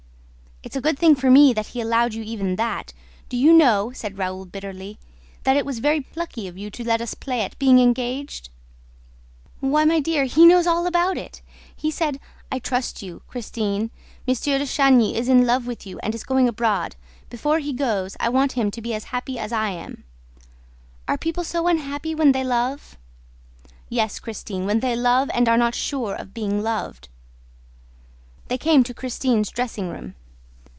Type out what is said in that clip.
"It's a good thing for me that he allowed you even that. Do you know," said Raoul bitterly, "that it was very plucky of you to let us play at being engaged?" "Why, my dear, he knows all about it! He said, 'I trust you, Christine. M. de Chagny is in love with you and is going abroad. Before he goes, I want him to be as happy as I am.' Are people so unhappy when they love?" "Yes, Christine, when they love and are not sure of being loved." They came to Christine's dressing room.